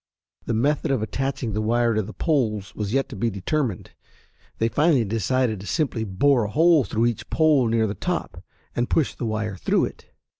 The method of attaching the wire to the poles was yet to be determined. They finally decided to simply bore a hole through each pole near the top and push the wire through it.